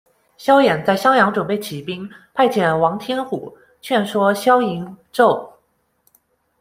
萧衍在襄阳准备起兵，派遣王天虎劝说萧颖胄。